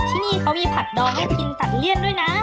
ที่นี่เขามีผักดองให้กินตัดเลี่ยนด้วยนะ